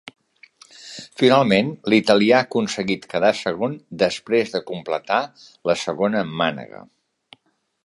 Finalment, l'italià ha aconseguit quedar segon després de completar la segona mànega.